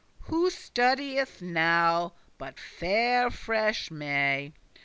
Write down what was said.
Who studieth* now but faire freshe May?